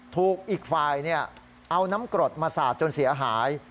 ถูกอีกฝ่ายเอาน้ำกรดมาสาดจนเสียหาย